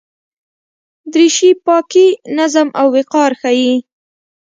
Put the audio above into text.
دریشي پاکي، نظم او وقار ښيي.